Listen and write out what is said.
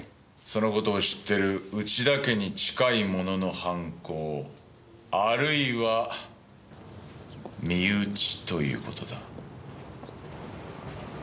その事を知っている内田家に近い者の犯行あるいは身内という事だ。